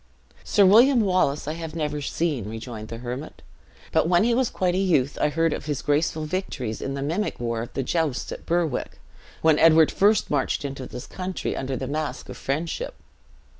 "Sir William Wallace I never have seen," rejoined the hermit; "but, when he was quite a youth, I heard of his graceful victories in the mimic war of the jousts at Berwick, when Edward first marched into this country under the mask of friendship.